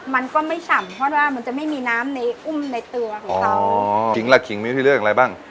มันก็ไม่ฉ่ำเพราะว่ามันจะไม่มีน้ำในอุ้มในตัวของเขาอ๋อขิงล่ะขิงมีที่เลือกอะไรบ้าง